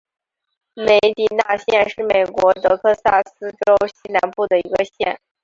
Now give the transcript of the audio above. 梅迪纳县是美国德克萨斯州西南部的一个县。